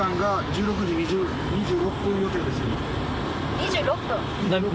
２６分？